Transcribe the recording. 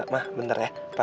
ma bentar ya pa